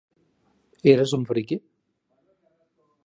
Eres un friqui?